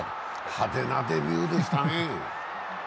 派手なデビューでしたね。